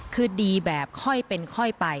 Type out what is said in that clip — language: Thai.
คือดีแบบค่อยเป็นค่อยไป